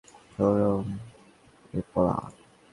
কথা বল, মাংকির পোলা!